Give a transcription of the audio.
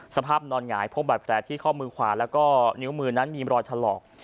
สภาพนอนหงายพบบาดแผลที่ข้อมือขวาแล้วก็นิ้วมือนั้นมีรอยถลอก